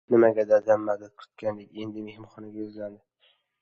— Nimaga? — Dadam madad kutgandek endi mehmonga yuzlandi.